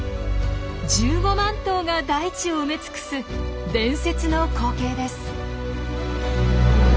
１５万頭が大地を埋め尽くす伝説の光景です。